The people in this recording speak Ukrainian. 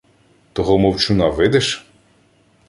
— Того мовчуна видиш?